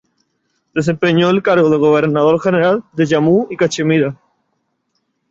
Desempeñó el cargo de Gobernador General de Jammu y Cachemira.